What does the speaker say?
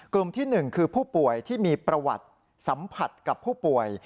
กลุ่มที่๑คือผู้ป่วยที่มีประวัติสัมผัสกับผู้ป่วย